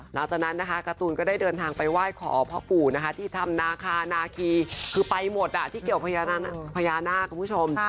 หลังจากนั้นนะคะการ์ตูนก็ได้เดินทางไปไหว้ขอพ่อปู่นะคะที่ธรรมนาคานาคีคือไปหมดที่เกี่ยวพญานาคคุณผู้ชม